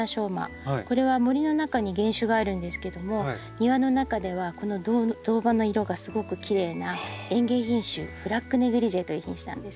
これは森の中に原種があるんですけども庭の中ではこの銅葉の色がすごくきれいな園芸品種ブラック・ネグリジェという品種なんですけど。